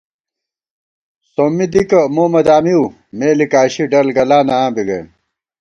سومّی دِکہ مو مہ دامِؤ مے لِکاشی ڈلگلانہ آں بی گئیم